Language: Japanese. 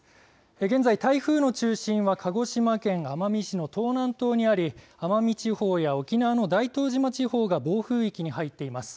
現在、台風の中心は鹿児島県奄美市の東南東にあり奄美地方や沖縄の大東島地方が暴風域に入っています。